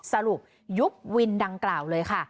สรุปยุบวินดังกล่าวเลยค่ะ